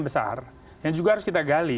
besar yang juga harus kita gali